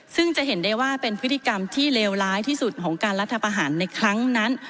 ซึ่งจะเห็นได้ว่าเป็นพฤติกรรมที่เลวร้ายที่สุดของการรัฐประหารในครั้งนั้น